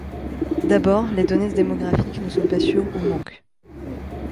D'abord, les données démographiques ne sont pas sûres ou manquent.